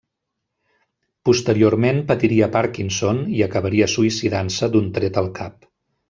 Posteriorment patiria Parkinson i acabaria suïcidant-se d'un tret al cap.